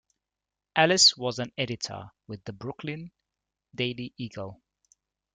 Alice was an editor with the "Brooklyn Daily Eagle".